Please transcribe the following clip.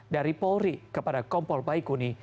dari polri kepada kompol baikuni